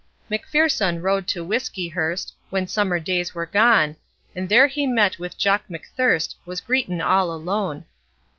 ..... MacFierce'un rode to Whiskeyhurst, When summer days were gone, And there he met with Jock McThirst Was greetin' all alone.